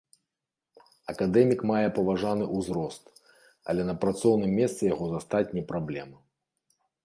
Акадэмік мае паважаны ўзрост, але на працоўным месцы яго застаць не праблема.